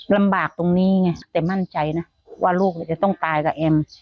ลำบากตรงนี้ไงแต่มั่นใจนะว่าลูกจะต้องตายกับแอม